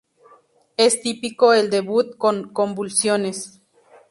Es típico el debut con convulsiones.